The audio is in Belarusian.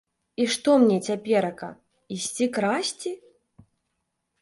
І што мне цяперака, ісці красці?